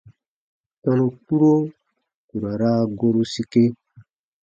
Tɔnu kpuro ku ra raa goru sike.